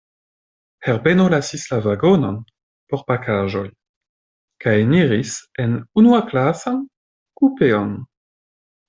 Herbeno lasis la vagonon por pakaĵoj, kaj eniris en unuaklasan kupeon.